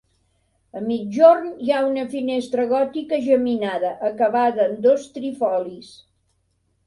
A migjorn hi ha una finestra gòtica geminada, acabada en dos trifolis.